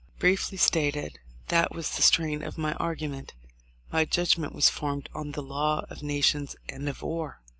Briefly stated, that was the strain of my argument. My judgment was formed on the law of nations and of war.